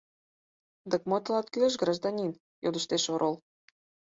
— Дык мо тылат кӱлеш, гражданин? — йодыштеш орол.